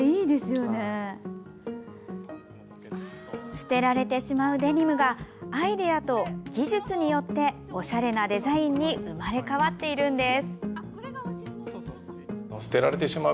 捨てられてしまうデニムがアイデアと技術によっておしゃれなデザインに生まれ変わっているんです。